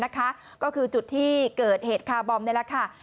ก็คือจุดที่เกิดเหตุคาร์บอมนี่แหละค่ะ